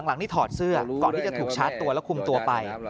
หลังนี่ถอดเสื้อก่อนที่จะถูกชาร์จตัวแล้วคุมตัวไป